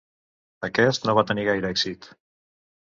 Aquest no va tenir gaire èxit.